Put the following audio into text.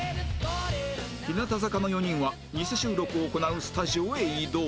日向坂の４人はニセ収録を行うスタジオへ移動